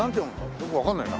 よくわかんないな。